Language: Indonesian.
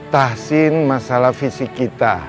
tahsin masalah fisik kita